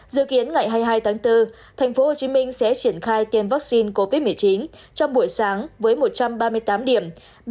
dự kiến ngày hai mươi hai tháng bốn tp hcm sẽ triển khai tiêm vaccine covid một mươi chín trong buổi sáng với một trăm ba mươi tám điểm